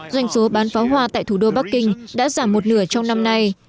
doanh số bán pháo hoa tại thủ đô bắc kinh đã giảm một nửa trong năm nay